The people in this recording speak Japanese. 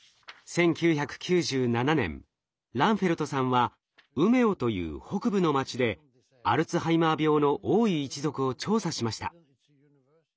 １９９７年ランフェルトさんはウメオという北部の町でアルツハイマー病の多い一族を調査しました。